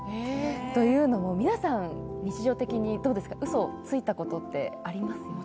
というのも皆さん、日常的にうそついたことってありますよね。